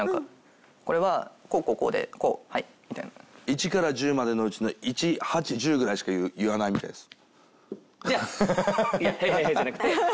１から１０までのうちの１８１０ぐらいしか言わないみたいです。